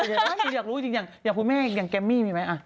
จริงอยากรู้จริงอย่างคุณแม่อย่างแกมมี่มีไหม